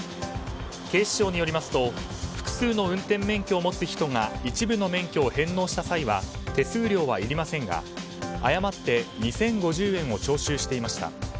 警視庁によりますと複数の運転免許を持つ人が一部の免許を返納した際は手数料はいりませんが誤って２０５０円を徴収していました。